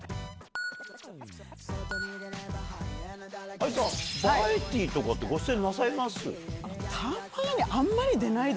ＡＩさんバラエティーとかってご出演なさいます？